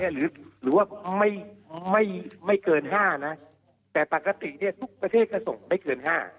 หรือว่าไม่เกิน๕นะแต่ปกติทุกประเทศก็ส่งไม่เกิน๕